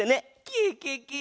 ケケケ！